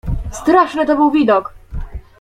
"Straszny to był widok!"